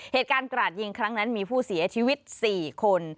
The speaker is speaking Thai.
เหตุการณ์กระดยิงครั้งนั้นมีผู้เสียชีวิต๔คน